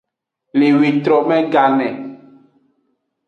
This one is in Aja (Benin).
Le wetrome gane.